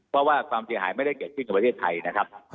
เพราะว่าความเสียหายไม่ได้เกิดขึ้นกับประเทศไทยนะครับ